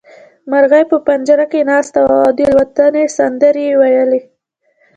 مرغۍ په پنجره کې ناسته وه او د الوتنې سندرې يې ويلې.